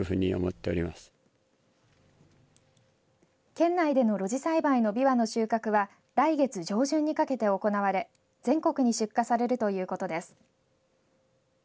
県内での露地栽培のびわの収穫は来月上旬にかけて行われ全国に出荷されるということです。